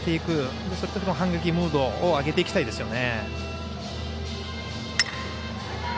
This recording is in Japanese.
そして反撃ムードを上げていきたいですね。